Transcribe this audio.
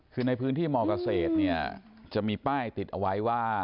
คือในพื้นที่มเกษตรเนี่ยจะมีป้ายติดเอาไว้ว่า